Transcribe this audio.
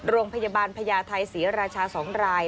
โรงพยาบาลพญาไทยศรีราชา๒ราย